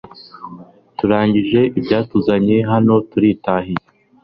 Turangije ibyatuzanye hano turitahiye